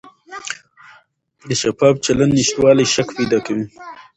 د شفاف چلند نشتوالی شک پیدا کوي